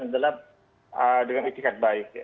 adalah dengan etikat baik ya